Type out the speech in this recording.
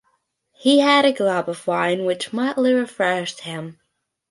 He had a gulp of wine, which mightily refreshed him.